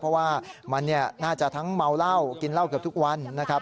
เพราะว่ามันน่าจะทั้งเมาเหล้ากินเหล้าเกือบทุกวันนะครับ